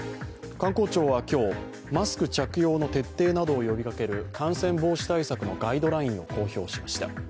観光庁は今日、マスク着用の徹底などを呼びかける感染防止対策のガイドラインを公表しました。